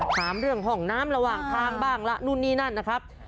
ถามเรื่องห้องน้ำระหว่างทางบ้างละนู่นนี่นั่นนะครับ